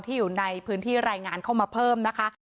อยู่ในพื้นที่รายงานเข้ามาเพิ่มนะคะ